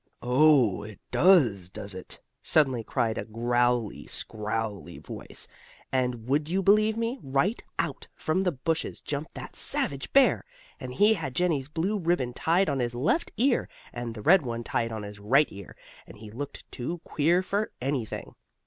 "Oh, it does; does it?" suddenly cried a growly scowly voice, and, would you believe me? right out from the bushes jumped that savage bear! And he had Jennie's blue ribbon tied on his left ear, and the red one tied on his right ear, and he looked too queer for anything.